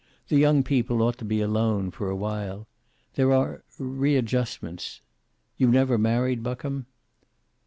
The young people ought to be alone, for a while. There are readjustments You never married, Buckham?"